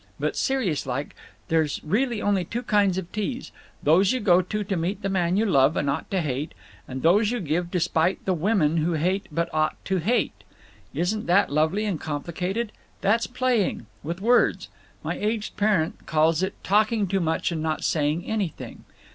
But, serious like, there's really only two kinds of teas—those you go to to meet the man you love and ought to hate, and those you give to spite the women you hate but ought to—hate! Isn't that lovely and complicated? That's playing. With words. My aged parent calls it 'talking too much and not saying anything.